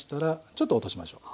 ちょっと落としましょう。